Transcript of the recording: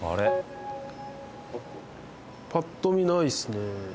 パッと見ないっすね